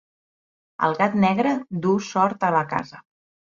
El gat negre duu sort a la casa.